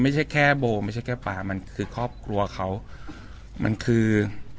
ไม่ใช่แค่โบไม่ใช่แค่ปลามันคือครอบครัวเขามันคือ